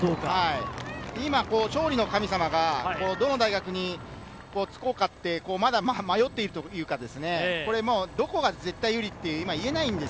勝利の神様が、どの大学につこうかとまだ迷っているというか、どこが絶対有利と今言えないんです。